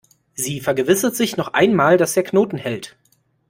Sie vergewissert sich noch einmal, dass der Knoten hält.